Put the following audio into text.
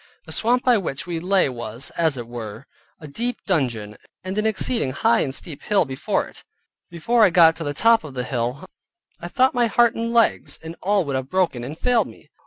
The swamp by which we lay was, as it were, a deep dungeon, and an exceeding high and steep hill before it. Before I got to the top of the hill, I thought my heart and legs, and all would have broken, and failed me.